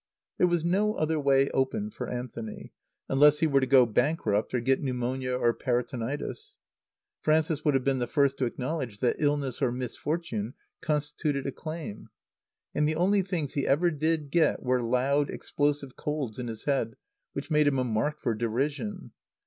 There was no other way open for Anthony; unless he were to go bankrupt or get pneumonia or peritonitis. Frances would have been the first to acknowledge that illness or misfortune constituted a claim. And the only things he ever did get were loud, explosive colds in his head which made him a mark for derision.